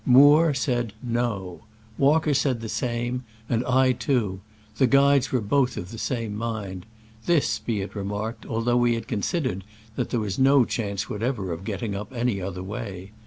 Moore said. No. Walker said the same, and I ton — ^the guides were both of the same mind: this, be it remarked, al though we had considered that there was no chance whatever of getting up any other way.